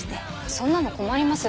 そんなの困ります